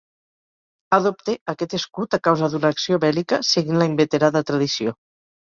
Adopte aquest escut a causa d'una acció bèl·lica, seguint la inveterada tradició.